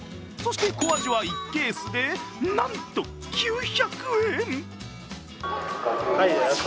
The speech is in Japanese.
小アジは１ケースでなんと９００円！